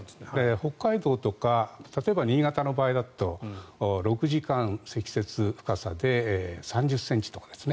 北海道とか例えば新潟の場合だと６時間積雪の深さで３０ｃｍとかですね